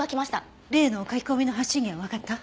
例の書き込みの発信源はわかった？